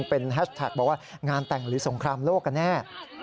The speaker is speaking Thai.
เป็นแฮชแท็กบอกว่างานแต่งหรือสงครามโลกกันแน่